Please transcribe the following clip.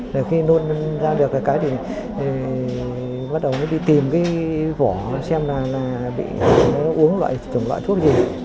rồi khi nôn ra được cái cái thì bắt đầu mới đi tìm cái vỏ xem là bị uống loại thuốc gì